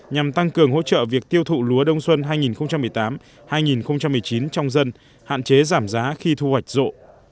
nhằm tăng cường hỗ trợ việc tiêu thụ lúa đông xuân hai nghìn một mươi tám hai nghìn một mươi chín trong dân hạn chế giảm giá khi thu hoạch rộ